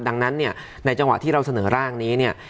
ดังนั้นเนี่ยในจังหวะที่เราเสนอร่างนี้เนี่ย